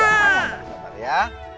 gak sabar ya